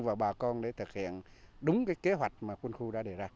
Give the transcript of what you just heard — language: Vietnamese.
và bà con để thực hiện đúng cái kế hoạch mà quân khu đã đề ra